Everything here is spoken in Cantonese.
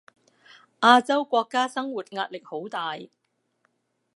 亞洲國家生活壓力好大